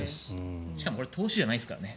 しかもこれ投資じゃないですからね。